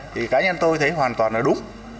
thì cá nhân tôi thấy hoàn toàn là đúng